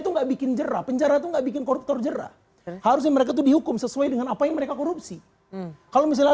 juga bikin gerak penjara tuh nggak bikin koruptor jera harus memirka ketuhu hukum sesuai dengan apa tapi hasil korupsi jamin kan whereas now bunting